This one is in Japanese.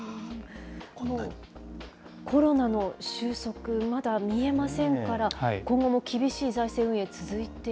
このコロナの収束、まだ見えませんから、今後も厳しい財政運